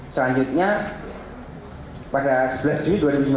selanjutnya pada sebelas juni dua ribu sembilan belas